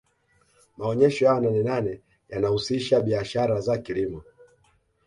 maonyesho ya nanenane yanahusisha biashara za kilimo